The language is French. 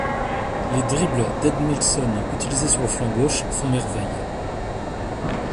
Les dribbles d’Edmilson utilisé sur le flanc gauche font merveille.